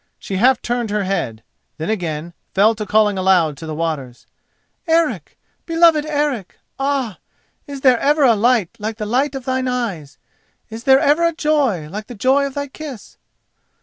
She half turned her head, then again fell to calling aloud to the waters: "Eric! beloved Eric!—ah! is there ever a light like the light of thine eyes—is there ever a joy like the joy of thy kiss?"